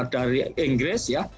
dari inggris ya